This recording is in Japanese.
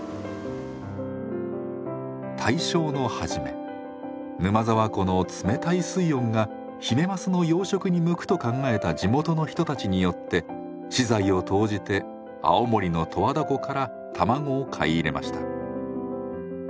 大正の初め沼沢湖の冷たい水温がヒメマスの養殖に向くと考えた地元の人たちによって私財を投じて青森の十和田湖から卵を買い入れました。